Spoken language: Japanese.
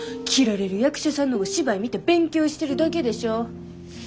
斬られる役者さんのお芝居見て勉強してるだけでしょ。